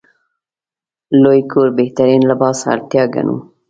لوی کور بهترین لباس اړتیا ګڼو.